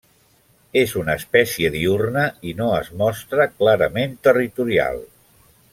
És una espècie diürna i no es mostra clarament territorial.